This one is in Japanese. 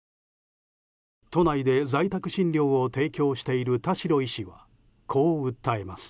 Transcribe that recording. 都内で在宅診療を提供している田代医師はこう訴えます。